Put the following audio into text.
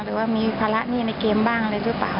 หรือว่ามีภาระหนี้ในเกมบ้างอะไรหรือเปล่า